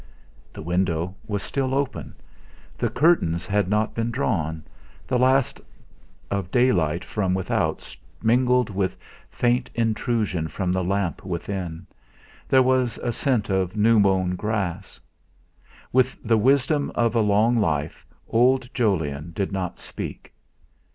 The window was still open, the curtains had not been drawn, the last of daylight from without mingled with faint intrusion from the lamp within; there was a scent of new mown grass. With the wisdom of a long life old Jolyon did not speak.